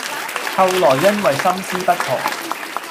後來因爲心思不同，